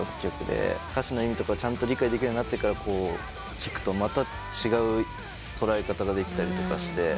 歌詞の意味とかちゃんと理解できるようになってから聴くとまた違う捉え方ができたりとかして。